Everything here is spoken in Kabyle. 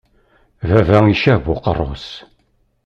Baba icab uqerru-s.